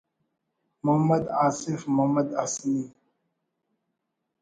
محمد آصف محمد حسنی